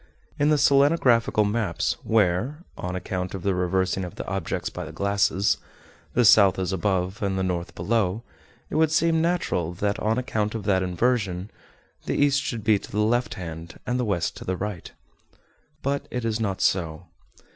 In the selenographical maps where, on account of the reversing of the objects by the glasses, the south is above and the north below, it would seem natural that, on account of that inversion, the east should be to the left hand, and the west to the right. But it is not so.